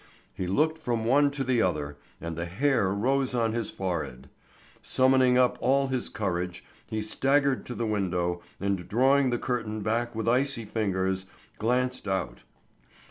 He looked from one to the other, and the hair rose on his forehead. Summoning up all his courage he staggered to the window and drawing the curtain back with icy fingers, glanced out.